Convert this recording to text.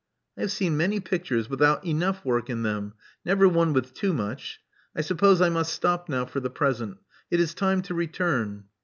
*'I have seen many pictures without enough work in them : never one with too much. I suppose I must stop now for the present. It is time to return."